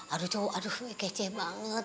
aduh cowok aduh kece banget